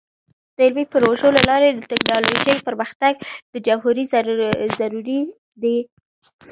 د علمي پروژو له لارې د ټیکنالوژۍ پرمختګ د جمهوری ضروری دی.